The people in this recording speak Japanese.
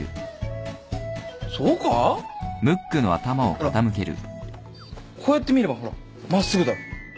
ほらこうやって見ればほら真っすぐだろ。